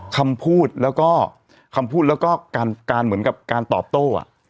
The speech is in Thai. คำพูดแล้วก็การเหมือนกับการตอบโต้